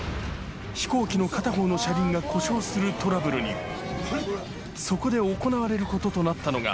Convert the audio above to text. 飛行機のするトラブルにそこで行われることとなったのが